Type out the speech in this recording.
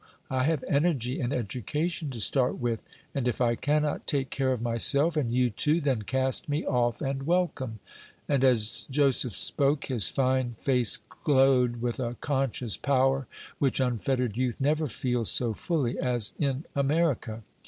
I have energy and education to start with, and if I cannot take care of myself, and you too, then cast me off and welcome;" and, as Joseph spoke, his fine face glowed with a conscious power, which unfettered youth never feels so fully as in America.